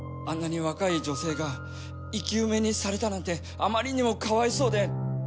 あんなに若い女性が生き埋めにされたなんてあまりにもかわいそうで。